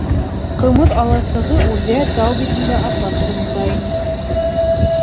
Ҡымыҙ аласығы үрҙә, тау битендә, аҡлан урында ине.